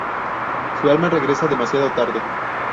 Su alma regresa demasiado tarde.